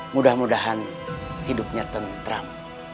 mudah mudahan hidupnya tentram